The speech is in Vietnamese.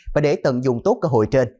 và để tận dụng tốt cơ hội trên